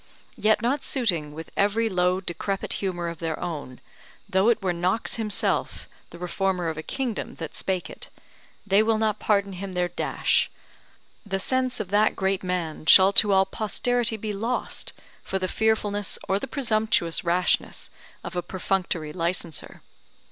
yet not suiting with every low decrepit humour of their own, though it were Knox himself, the reformer of a kingdom, that spake it, they will not pardon him their dash: the sense of that great man shall to all posterity be lost, for the fearfulness or the presumptuous rashness of a perfunctory licenser.